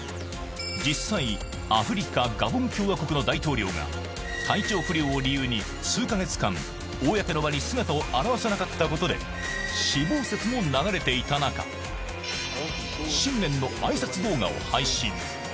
実際、アフリカ・ガボン共和国の大統領が、体調不良を理由に、数か月間、公の場に姿を現さなかったことで、死亡説も流れていた中、新年のあいさつ動画を配信。